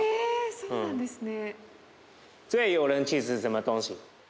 そうなんですね。